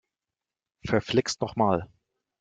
Verflixt noch mal!